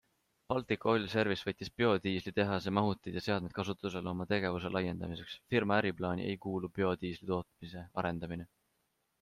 Baltic Oil Service võttis biodiislitehase mahutid ja seadmed kasutusele oma tegevuse laiendamiseks, firma äriplaani ei kuulu biodiisli tootmise arendamine.